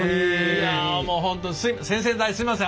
いやもう本当先々代すいません